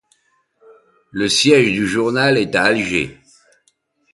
Le siège du journal est à Alger.